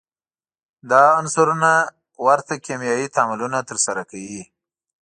دا عنصرونه ورته کیمیاوي تعاملونه ترسره کوي.